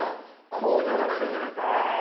こうじゃなくちゃいけないとああ。